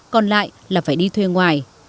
còn lại là phải đi thuê ngoài